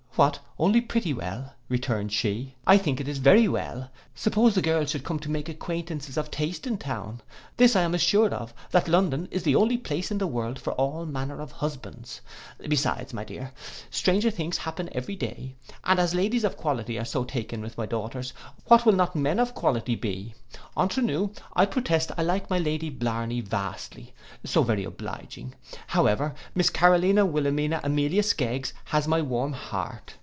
—'What only pretty well!' returned she. 'I think it is very well. Suppose the girls should come to make acquaintances of taste in town! This I am assured of, that London is the only place in the world for all manner of husbands. Besides, my dear, stranger things happen every day: and as ladies of quality are so taken with my daughters, what will not men of quality be! Entre nous, I protest I like my Lady Blarney vastly, so very obliging. However, Miss Carolina Wilelmina Amelia Skeggs has my warm heart.